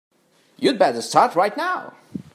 You'd better start right now.